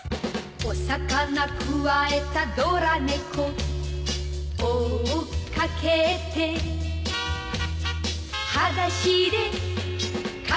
「お魚くわえたドラ猫」「追っかけて」「はだしでかけてく」